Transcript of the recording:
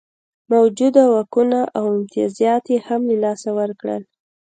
موجوده واکونه او امتیازات یې هم له لاسه ورکول.